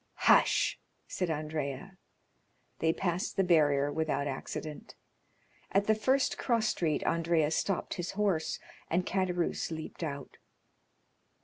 "Hush," said Andrea. They passed the barrier without accident. At the first cross street Andrea stopped his horse, and Caderousse leaped out.